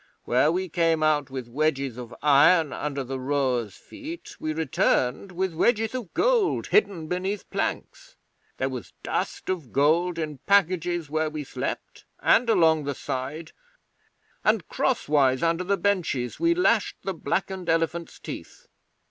Where we came out with wedges of iron under the rowers' feet we returned with wedges of gold hidden beneath planks. There was dust of gold in packages where we slept and along the side, and crosswise under the benches we lashed the blackened elephants' teeth.